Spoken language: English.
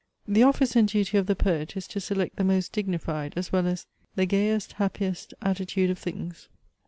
The office and duty of the poet is to select the most dignified as well as "The gayest, happiest attitude of things."